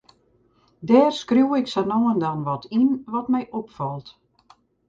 Dêr skriuw ik sa no en dan wat yn, wat my opfalt.